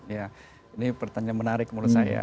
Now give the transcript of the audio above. ya ini pertanyaan menarik menurut saya